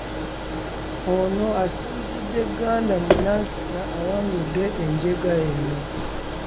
Ono asinzidde Gganda mu Nansana awagudde enjega eno